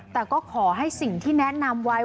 แต่ก็ขอให้สิ่งที่แนะนำไว้